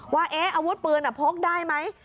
ว่าอาวุธปืนพกได้ไหม